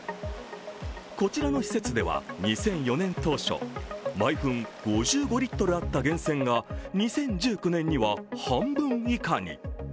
こちらの施設では２００４年当初、毎分５５リットルあった源泉が２０１９年には半分以下に。